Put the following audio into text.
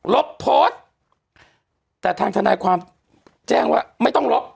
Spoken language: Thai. ลบโพสต์แต่ทางทนายความแจ้งว่าไม่ต้องลบ